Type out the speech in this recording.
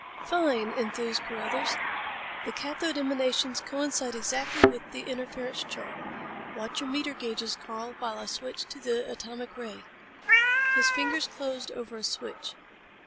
"Fine," enthused Carruthers, "The cathode emanations coincide exactly with the interference chart. Watch your meter gauges, Karl, while I switch to the atomic ray." His fingers closed over a switch.